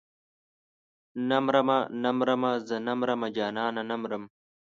نه مرمه نه مرمه زه نه مرمه جانانه نه مرم.